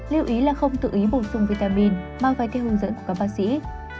lưu ý là không tự ý bổ sung vitamin mà phải theo hướng dẫn của các bác sĩ